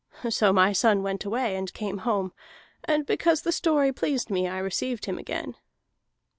So my son went away, and came home, and because the story pleased me I received him again."